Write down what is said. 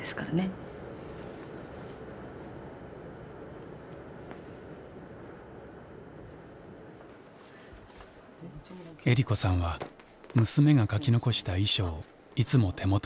恵利子さんは娘が書き残した遺書をいつも手元に置いています。